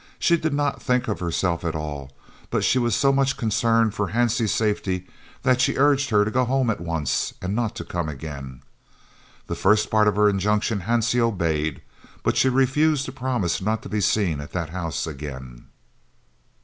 She did not think of herself at all, but she was so much concerned for Hansie's safety that she urged her to go home at once and not to come again. The first part of her injunctions Hansie obeyed, but she refused to promise not to be seen at that house again.